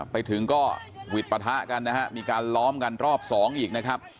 ไปถึงก็หวิดปะทะกันนะฮะมีการล้อมกันรอบสองอีกนะครับ